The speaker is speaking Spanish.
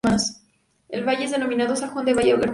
El valle es denominado "Zanjón del Valle Hermoso"".